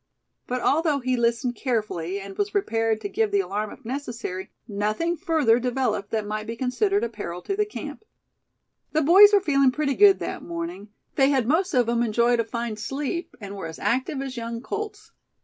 But although he listened carefully, and was prepared to give the alarm if necessary, nothing further developed that might be considered a peril to the camp. The boys were feeling pretty good that morning. They had most of them enjoyed a fine sleep, and were as active as young colts.